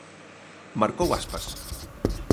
Marcou Aspas.